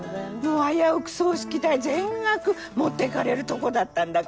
危うく葬式代全額持ってかれるとこだったんだから。